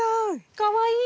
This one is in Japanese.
かわいい！